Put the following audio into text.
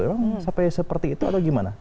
memang sampai seperti itu atau gimana